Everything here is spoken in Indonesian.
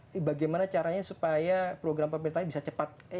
di bagaimana caranya supaya program pemerintahan bisa cepat terlaksana